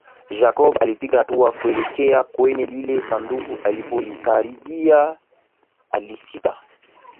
Jacob alipiga hatua kuelekea kwenye lile sanduku alipolikaribia alisita